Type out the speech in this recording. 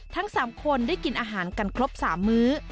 ทั้ง๓คนได้กินอาหารกันครบ๓มื้อ